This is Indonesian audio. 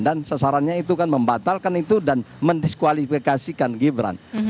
dan sasarannya itu kan membatalkan itu dan mendiskualifikasikan gibran